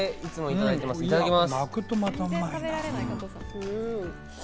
では、いただきます。